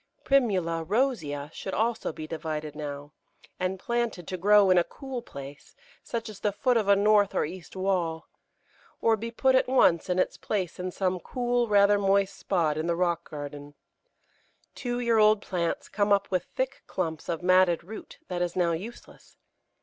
Primula rosea should also be divided now, and planted to grow on in a cool place, such as the foot of a north or east wall, or be put at once in its place in some cool, rather moist spot in the rock garden. Two year old plants come up with thick clumps of matted root that is now useless.